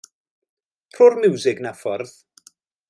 Rho'r miwsig 'na ffwrdd.